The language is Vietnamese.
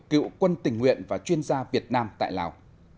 cựu quân tình nguyện và chuyên gia việt nam tại lào